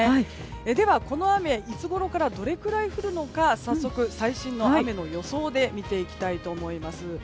では、この雨いつごろからどれくらい降るのか早速、最新の雨の予想で見ていきたいと思います。